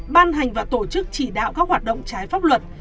ban hành và tổ chức chỉ đạo các hoạt động trái pháp luật